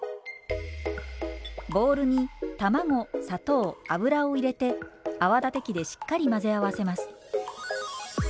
ボウルに卵砂糖油を入れて泡立て器でしっかり混ぜ合わせます。